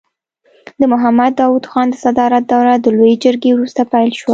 د محمد داود خان د صدارت دوره د لويې جرګې وروسته پیل شوه.